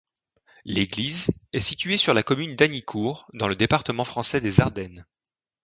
L'église est située sur la commune d'Hagnicourt, dans le département français des Ardennes.